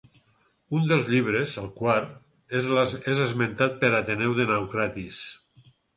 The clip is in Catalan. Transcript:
Un dels llibres, el quart, és esmentat per Ateneu de Naucratis.